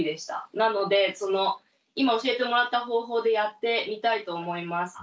なので今教えてもらった方法でやってみたいと思います。